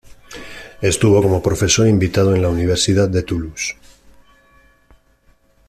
Estuvo como profesor invitado en la Universidad de Toulouse.